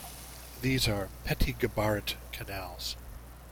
These are "petit gabarit" canals.